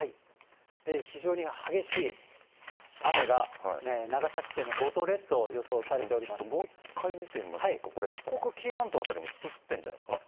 非常に激しい雨が長崎県の五島列島、ちょっともう一回見てみましょうか、これ、四国、紀伊半島辺りもずっと降ってるんじゃないんですか。